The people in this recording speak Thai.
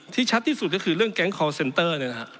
ที่ชัดที่สุดก็คือเรื่องแกงคอลเซ็นเตอร์